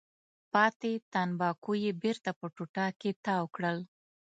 پاتې تنباکو یې بېرته په ټوټه کې تاو کړل.